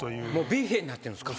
ビュッフェになってるんですか。